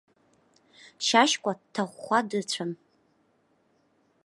Шьашькәа дҭахәхәа дыцәан.